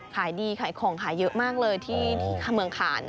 ขายดีขายของขายเยอะมากเลยที่เมืองขาน